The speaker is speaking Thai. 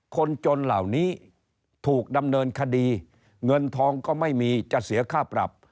คนจนเหล่านี้ถูกดำเนินคดีเงินทองก็ไม่มีจะเสียค่าปรับ